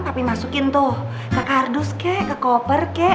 papi masukin tuh ke kardus ke ke koper ke